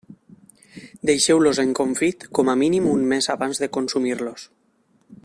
Deixeu-los en confit com a mínim un mes abans de consumir-los.